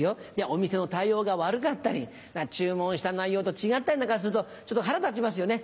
お店の対応が悪かったり注文した内容と違ったりなんかするとちょっと腹立ちますよね。